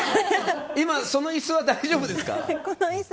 今、その椅子は大丈夫ですか？